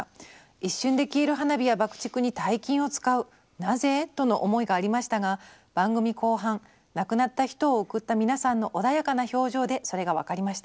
一瞬で消える花火や爆竹に大金を使う『なぜ？』との思いがありましたが番組後半亡くなった人を送った皆さんの穏やかな表情でそれが分かりました。